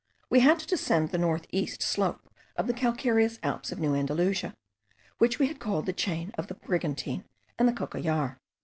We had to descend the north east slope of the calcareous Alps of New Andalusia, which we have called the great chain of the Brigantine and the Cocollar.